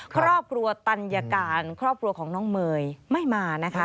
ครอบครัวตัญการครอบครัวของน้องเมย์ไม่มานะคะ